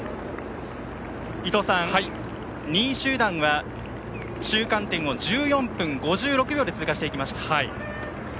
伊藤さん、２位集団は中間点を１４分５６秒で通過しました。